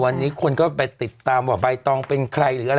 วันนี้คนก็ไปติดตามว่าใบตองเป็นใครหรืออะไร